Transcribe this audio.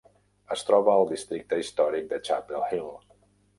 Es troba al districte històric de Chapel Hill.